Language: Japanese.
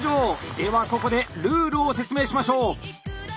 ではここでルールを説明しましょう。